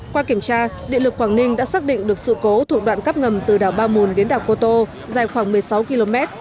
qua kiểm tra điện lực quảng ninh đã xác định được sự cố thuộc đoạn cắp ngầm từ đảo ba mùn đến đảo cô tô dài khoảng một mươi sáu km